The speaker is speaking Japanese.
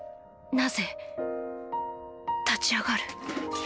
なぜ立ち上がる？